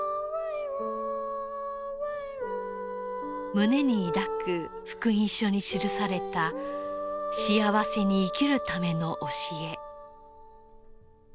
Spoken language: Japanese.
胸に抱く福音書に記された幸せに生きるための教え。